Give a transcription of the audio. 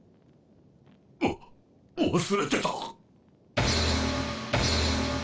わ忘れてた。